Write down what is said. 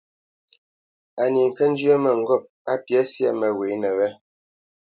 Á ní ŋkə́ njyə́ mə́ŋgôp á mbyá syâ məghwěnə wé.